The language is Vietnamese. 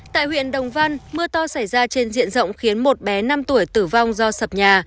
tại huyện đồng văn mưa to xảy ra trên diện rộng khiến một bé năm tuổi tử vong do sập nhà